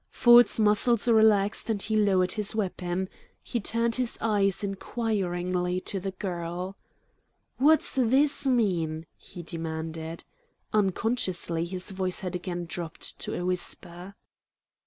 Ford's muscles relaxed, and he lowered his weapon. He turned his eyes inquiringly to the girl. "What's THIS mean?" he demanded. Unconsciously his voice had again dropped to a whisper.